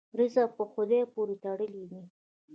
رزق په خدای پورې تړلی دی.